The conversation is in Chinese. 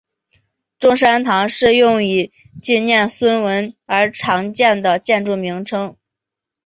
中山堂是用以纪念孙文而常见的建筑名称。